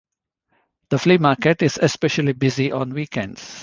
The flea market is especially busy on weekends.